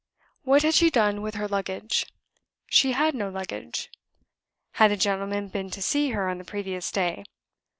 What had she done with her luggage? She had no luggage. Had a gentleman been to see her on the previous day?